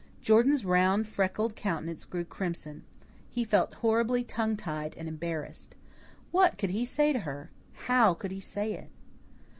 Jordan's round, freckled countenance grew crimson. He felt horribly tonguetied and embarrassed. What could he say to her? How could he say it?